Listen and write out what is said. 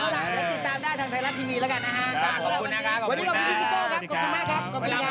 ลาพิชมนะคะลาพิพองค์กันเลย